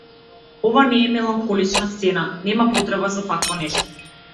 Ова не е меланхолична сцена, нема потреба за такво нешто.